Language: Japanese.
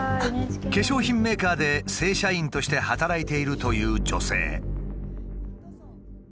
化粧品メーカーで正社員として働いているという女性。